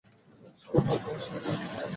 সবার ভাগ্যে আসে না এই ময়লা।